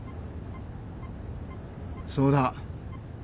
そうだ。